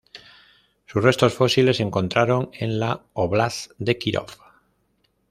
Sus restos fósiles se encontraron en la Óblast de Kírov.